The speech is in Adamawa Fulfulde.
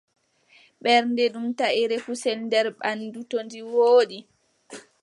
Ɓernde, ɗum taʼre kusel nder ɓanndu, to nde woodi,